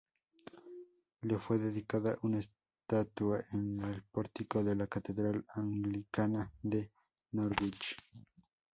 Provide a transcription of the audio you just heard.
Le fue dedicada una estatua en el pórtico de la catedral anglicana de Norwich.